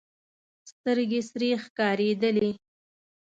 سترګې سرې ښکارېدلې.